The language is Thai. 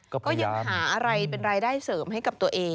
ก็ยังหาอะไรเป็นรายได้เสริมให้กับตัวเอง